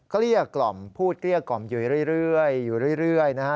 ก็เรียกกล่อมพูดเรียกกล่อมอยู่เรื่อยอยู่เรื่อยนะฮะ